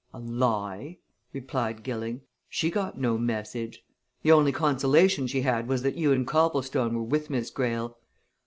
"A lie!" replied Gilling. "She got no message. The only consolation she had was that you and Copplestone were with Miss Greyle.